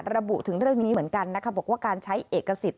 ระบุถึงเรื่องนี้เหมือนกันนะคะบอกว่าการใช้เอกสิทธิ